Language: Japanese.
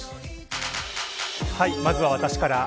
まずは私から。